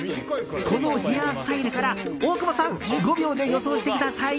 このヘアスタイルから大久保さん５秒で予想してください。